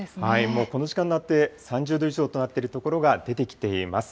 もうこの時間になって、３０度以上となっている所が出てきています。